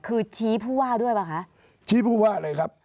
คือชี้ผู้ว่าด้วยป่ะคะชี้ผู้ว่าเลยครับ